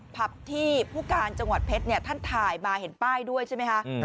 ผับที่ผู้การจังหวัดเพชรท่านถ่ายมาเห็นป้ายด้วยใช่ไหมคะ